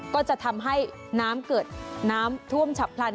ก็จะทำให้น้ำเกิดน้ำท่วมฉับพลัน